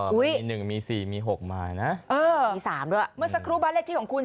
อ๋อมีหนึ่งมีสี่มีหกมานะเออมีสามด้วยเมื่อสักครู่บ้านเลขที่ของคุณ